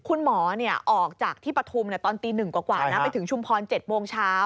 คุณหมอออกจากที่ปฐุมตอนตี๑กว่านะไปถึงชุมพร๗โมงเช้า